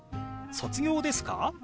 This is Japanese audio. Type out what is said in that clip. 「卒業ですか？」。